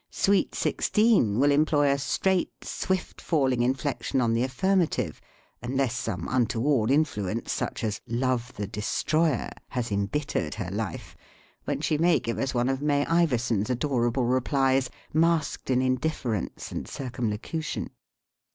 Sweet Sixteen will employ a straight, swift falling inflection on the affirmative (unless some un toward influence, such as "Love the De stroyer," has embittered her life, when she may give us one of May Iverson's adorable replies, masked in indifference and circum locution).